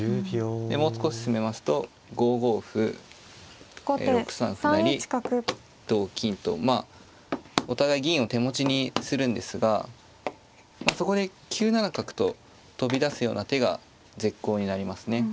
でもう少し進めますと５五歩６三歩成同金とまあお互い銀を手持ちにするんですがそこで９七角と飛び出すような手が絶好になりますね。